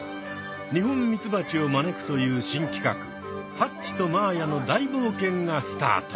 ニホンミツバチを招くという新企画「ハッチとまーやの大冒険」がスタート！